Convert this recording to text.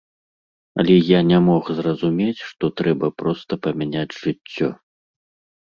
Але я не мог зразумець, што трэба проста памяняць жыццё.